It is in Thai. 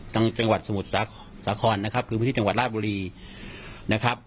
จังหวัดสมุทรสาครนะครับคือพื้นที่จังหวัดราชบุรีนะครับ